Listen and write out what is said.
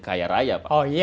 saya tidak tahu